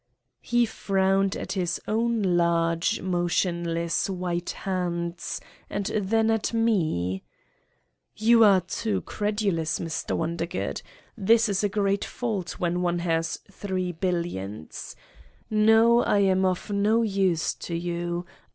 He frowned, at his own large, motionless, white hands and then at me : "You are too credulous, Mr. Wondergood. This is a great fault when one has three billions. No, 60 Satan's Diary am of no use to you.